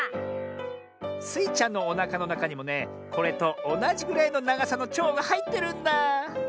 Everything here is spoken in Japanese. スイちゃんのおなかのなかにもねこれとおなじぐらいのながさのちょうがはいってるんだあ。